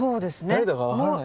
誰だか分からない。